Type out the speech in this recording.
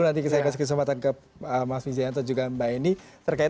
nanti saya kasih kesempatan ke mas mijayanto dan juga mbak eni